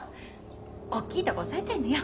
おっきいとこ押さえたいのよ。